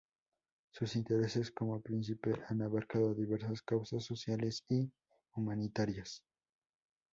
Sus intereses como príncipe han abarcado diversas causas sociales y humanitarias.